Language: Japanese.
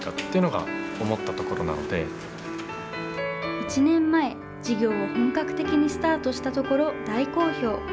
１年前、事業を本格的にスタートしたところ、大好評。